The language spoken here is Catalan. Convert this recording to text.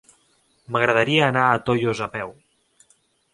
M'agradaria anar a Tollos a peu.